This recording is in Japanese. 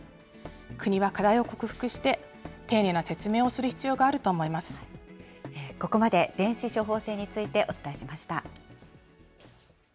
国は課題を克服して丁寧な説明をここまで電子処方箋についてお伝えしました。